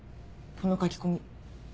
この書き込み。